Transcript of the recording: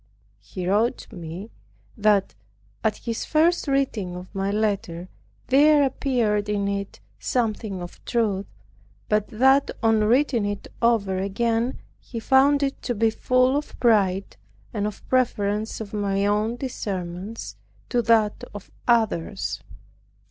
He wrote to me, that, at his first reading of my letter there appeared in it something of truth; but that on reading it over again, he found it to be full of pride, and of preference of my own discernments to that of others.